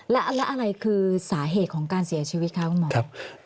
และอะไรคือสาเหตุของการเสียชีวิตคะคุณหมอ